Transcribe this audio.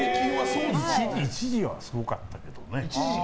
一時はすごかったけどね。